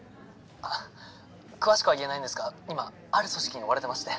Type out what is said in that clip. あっ詳しくは言えないんですが今ある組織に追われてまして。